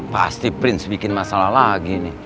pasti prince bikin masalah lagi nih